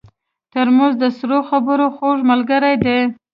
ترموز د سړو خبرو خوږ ملګری دی.